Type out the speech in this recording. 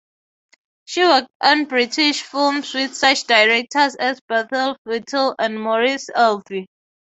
She worked on British films with such directors as Berthold Viertel and Maurice Elvey.